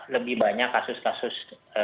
lebih banyak kasus kasus